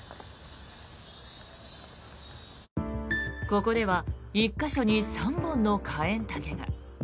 ここでは１か所に３本のカエンタケが。